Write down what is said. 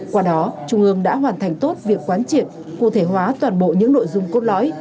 qua đó trung ương đã hoàn thành tốt việc quán triệt cụ thể hóa toàn bộ những nội dung cốt lõi